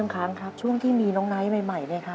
แม่น้ำค้างครับช่วงที่มีน้องไนท์ใหม่เลยค่ะ